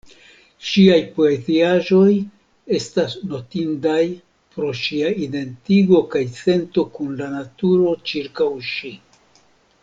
Ŝiaj poeziaĵoj estas notindaj pro ŝia identigo kaj sento kun la naturo ĉirkaŭ ŝi.